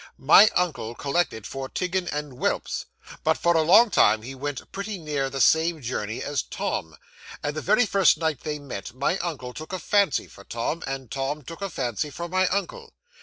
My uncle collected for Tiggin and Welps, but for a long time he went pretty near the same journey as Tom; and the very first night they met, my uncle took a fancy for Tom, and Tom took a fancy for my uncle.